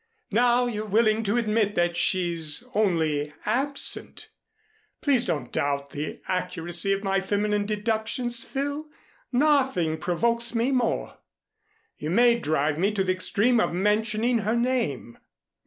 Now you're willing to admit that she's only absent. Please don't doubt the accuracy of my feminine deductions, Phil. Nothing provokes me more. You may drive me to the extreme of mentioning her name."